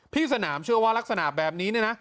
พี่สนามเชื่อว่ารักษณะแบบนี้